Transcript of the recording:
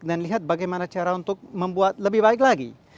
dan lihat bagaimana cara untuk membuat lebih baik lagi